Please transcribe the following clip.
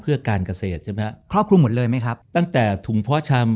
เพื่อการเกษตรใช่ไหมครับครอบคลุมหมดเลยไหมครับตั้งแต่ถุงเพาะชำ